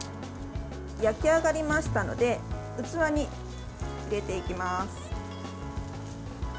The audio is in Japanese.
焼き上がりましたので器に入れていきます。